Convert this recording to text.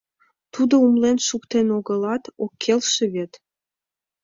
Тудо умылен шуктен огылат, ок келше вет.